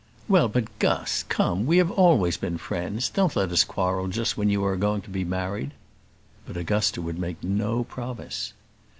"Well, but, Guss, come, we have always been friends; don't let us quarrel just when you are going to be married." But Augusta would make no promise.